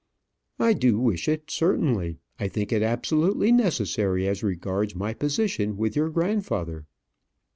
"I do wish it, certainly. I think it absolutely necessary as regards my position with your grandfather."